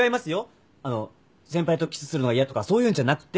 あの先輩とキスするのが嫌とかそういうんじゃなくて。